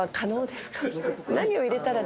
何を入れたら。